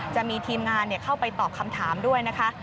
จะมีทีมงานเข้าไปตอบคำถามด้วยนะคะ